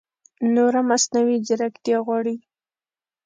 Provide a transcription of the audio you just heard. نوره مصنعوي ځېرکتیا غواړي